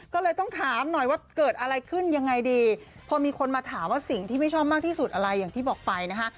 ก็เลยต้องถามหน่อยว่าเกิดอะไรขึ้นยังไงดีพอมีคนมาถามว่าสิ่งที่ไม่ชอบมากที่สุดอะไรอย่างที่บอกไปนะคะ